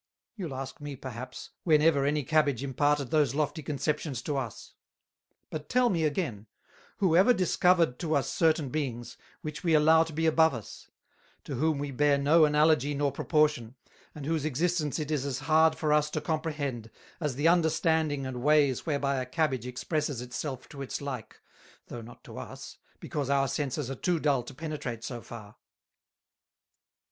You'll ask me, perhaps, when ever any Cabbage imparted those lofty Conceptions to us? But tell me, again, who ever discovered to us certain Beings, which we allow to be above us; to whom we bear no Analogy nor Proportion, and whose Existence it is as hard for us to comprehend, as the Understanding and Ways whereby a Cabbage expresses its self to its like, though not to us, because our senses are too dull to penetrate so far.